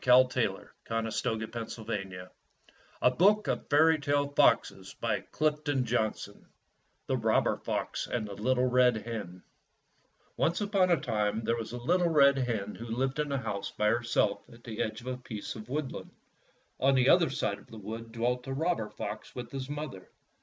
194^' THE ROBBER FOX AND THE LITTLE RED HEN A BOOK OF FAIBY TALE FOXES THE ROBBEK FOX AND THE LITTLE RED HEN O NCE upon a time there was a little red hen who lived in a house by her self at the edge of a piece of woodland. On the other side of the wood dwelt a robber fox with his mother.